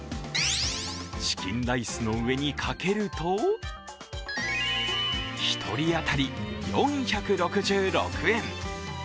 チキンライスの上にかけると、１人当たり４６６円。